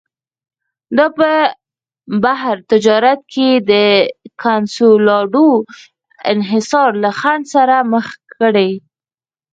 دا په بهر تجارت کې د کنسولاډو انحصار له خنډ سره مخ کړي.